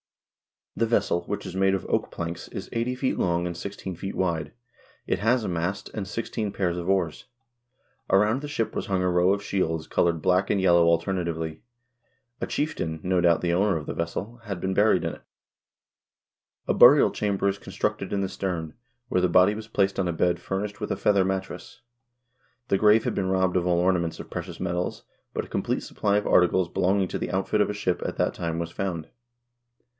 The vessel, which is made of oak planks, is eighty feet long, and sixteen feet wide. It has a mast, and sixteen pairs of oars. Around the ship was hung a row of shields colored black and yellow alternately. A chieftain, no doubt the owner of the vessel, had been buried in it. A burial chamber is constructed in the stern, where the body was Fig. 35. — Rune stone from placed on a bed furnished with a feather mat tress. The grave had been robbed of all ornaments of precious metals, but a complete supply of articles be longing to the outfit of a ship at that time was found.